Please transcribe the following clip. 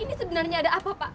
ini sebenarnya ada apa pak